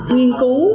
nghiên cứu về